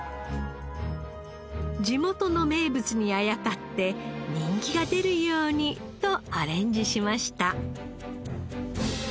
地元の名物にあやかって人気が出るようにとアレンジしました。